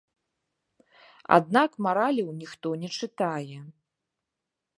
Аднак мараляў ніхто не чытае.